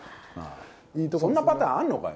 そんなパターンあるのかよ。